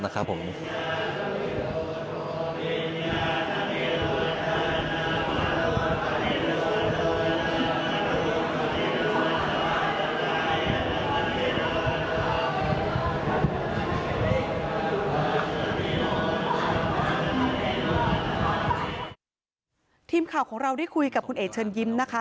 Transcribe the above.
เรวก็พูดกับการคุยกับคุณเอเชิญยิ้มนะคะ